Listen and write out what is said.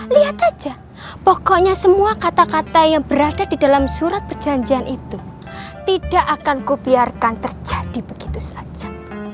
lihat aja pokoknya semua kata kata yang berada di dalam surat perjanjian itu tidak akan kubiarkan terjadi begitu saja